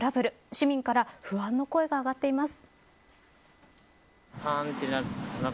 市民から不安の声が上がっています。